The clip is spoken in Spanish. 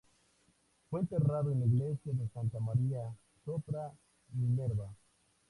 Fue enterrado en la iglesia de Santa Maria sopra Minerva.